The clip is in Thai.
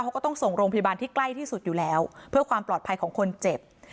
เขาก็ต้องส่งโรงพยาบาลที่ใกล้ที่สุดอยู่แล้วเพื่อความปลอดภัยของคนเจ็บ